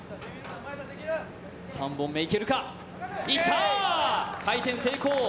３本目行けるか、行った、回転成功。